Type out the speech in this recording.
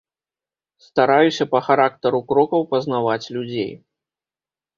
Стараюся па характару крокаў пазнаваць людзей.